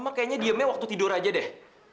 emang kayaknya diemnya waktu tidur aja deh